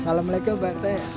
assalamualaikum pak rt